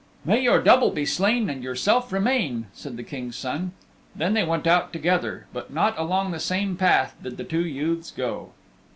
"May your double be slain and yourself remain," said the King's Son. Then they went out together, but not along the same path did the two youths go.